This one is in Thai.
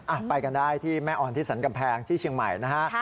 ไปกันได้ที่แม่อ่อนที่สรรกำแพงที่เชียงใหม่นะฮะ